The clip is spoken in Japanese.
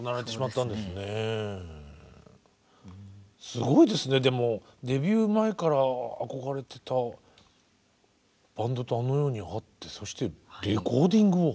すごいですねでもデビュー前から憧れてたバンドとあのように会ってそしてレコーディングを。